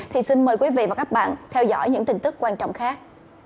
thì xin mời quý vị và các bạn theo dõi những tin tức quan trọng khác